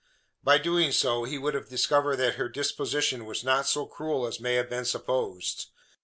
By doing so, he would have discovered that her disposition was not so cruel as may have been supposed.